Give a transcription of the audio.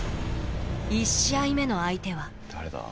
１試合目の相手は誰だ？